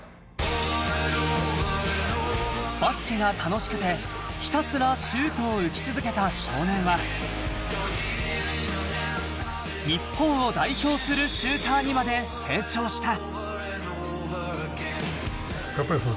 バスケが楽しくて、ひたすらシュートを打ち続けた少年は、日本を代表するシューターにまで成長した。